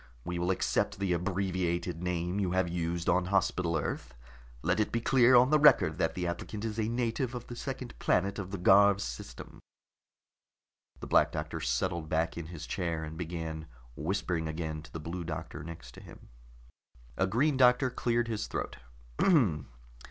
We will accept the abbreviated name you have used on Hospital Earth. Let it be clear on the record that the applicant is a native of the second planet of the Garv system." The Black Doctor settled back in his chair and began whispering again to the Blue Doctor next to him. A Green Doctor cleared his throat.